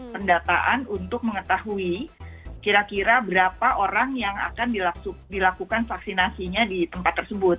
pendataan untuk mengetahui kira kira berapa orang yang akan dilakukan vaksinasinya di tempat tersebut